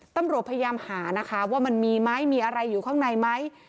ตำรวจพยายามหานะคะว่ามันมีไหมมีอะไรอยู่ข้างในไหม